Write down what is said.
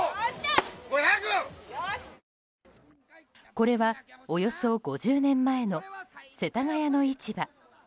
これは、およそ５０年前の世田谷の市場。